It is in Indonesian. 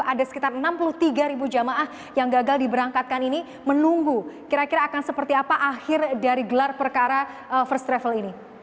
ada sekitar enam puluh tiga ribu jamaah yang gagal diberangkatkan ini menunggu kira kira akan seperti apa akhir dari gelar perkara first travel ini